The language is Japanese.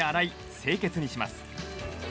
清潔にします。